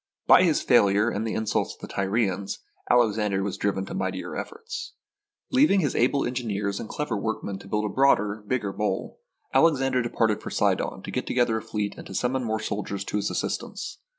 By his failure and the insults of the Tyrians, Alexander was driven to mightier efforts. Leaving his able engineers and clever workmen to build a broader, bigger mole, Alexander departed for Sidon to get together a fleet and to summon more soldiers to his assistance.